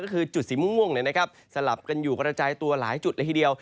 ก็คือจุดสีม่วงสลับกันอยู่กระจายตัวหลายจุดเลยทีเดียว